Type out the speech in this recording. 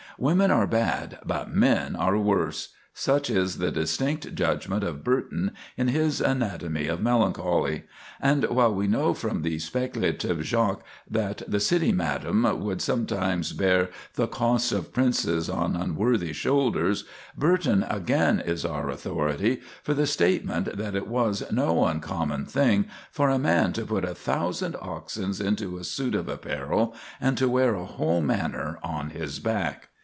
"Women are bad, but men are worse,"—such is the distinct judgment of Burton, in his "Anatomy of Melancholy"; and while we know from the speculative Jaques that "the city madam," would sometimes bear "the cost of princes on unworthy shoulders," Burton again is our authority for the statement that it was no uncommon thing for a man to put a thousand oxen into a suit of apparel, and to wear a whole manor on his back.